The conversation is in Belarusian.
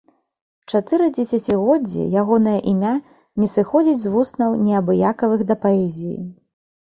Чатыры дзесяцігоддзі ягонае імя не сыходзіць з вуснаў неабыякавых да паэзіі.